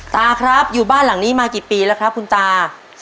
ตาครับอยู่บ้านหลังนี้มากี่ปีแล้วครับคุณตา